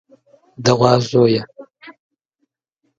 د غوا زويه.